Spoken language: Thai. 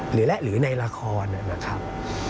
หรือแหละหรือในละครนะครับ